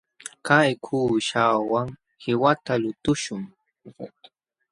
Kay kuuśhawan qiwata lutuśhun.